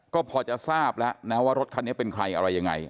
ก็พอจะทราบแล้วนะว่ารถคันนี้เป็นใครอะไรยังไง